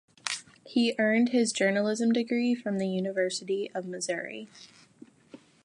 He earned his journalism degree from the University of Missouri.